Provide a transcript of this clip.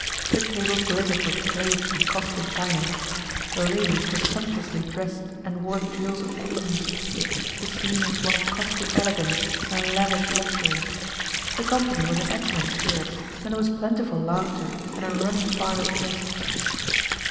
The table glittered with plate and costly china. The ladies were sumptuously dressed and wore the jewels of queens. The scene was one of costly elegance and lavish luxury. The company was in excellent spirits, and there was plentiful laughter and a running fire of jests.